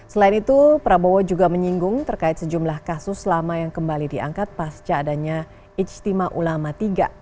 selain itu prabowo juga menyinggung terkait sejumlah kasus lama yang kembali diangkat pasca adanya ijtima ulama tiga